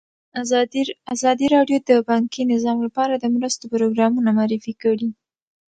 ازادي راډیو د بانکي نظام لپاره د مرستو پروګرامونه معرفي کړي.